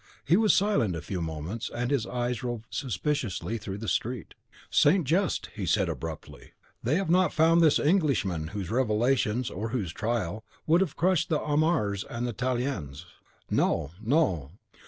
He was silent a few moments, and his eyes roved suspiciously through the street. "St. Just," he said abruptly, "they have not found this Englishman whose revelations, or whose trial, would have crushed the Amars and the Talliens. No, no!